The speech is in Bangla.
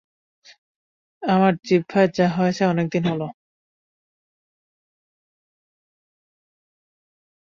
আমার জিহ্বায় ঘা হয়েছে অনেকদিন হল।